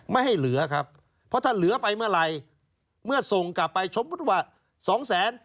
ไม่ให้เหลือครับเพราะถ้าเหลือไปเมื่อไหร่เมื่อส่งกลับไปสมมุติว่าสองแสน